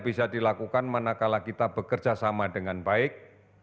bisa dilakukan manakala kita bekerja sama dengan baik